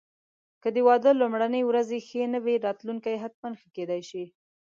که د واده لومړني ورځې ښې نه وې، راتلونکی حتماً ښه کېدای شي.